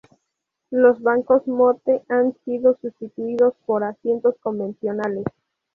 Los bancos "Motte" han sido sustituidos por asientos convencionales.